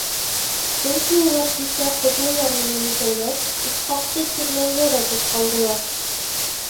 Сөнки улар кисә Ҡотлояр менән икәүләп Исхаҡты тирмәнгә оҙатып ҡалдылар.